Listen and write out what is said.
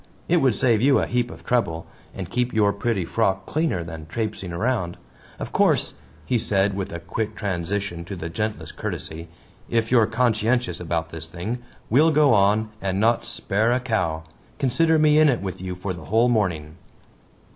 It would save you a heap of trouble and keep your pretty frock cleaner than trapesing round. Of course," he said, with a quick transition to the gentlest courtesy, "if you're conscientious about this thing we'll go on and not spare a cow. Consider me in it with you for the whole morning."